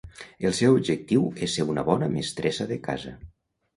El seu objectiu és ser una bona mestressa de casa.